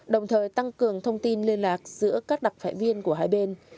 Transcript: đồng thời tăng cường thông tin liên lạc giữa các đặc phại viên của hai bên